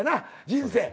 人生。